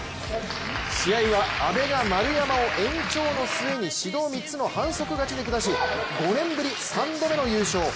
試合は、阿部が丸山を延長の末に指導３つの反則勝ちで下し５年ぶり３度目の優勝。